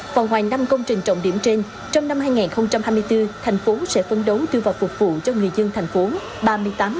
vào ngoài năm công trình trọng điểm trên trong năm hai nghìn hai mươi bốn thành phố sẽ phấn đấu tư vật phục vụ cho người dân thành phố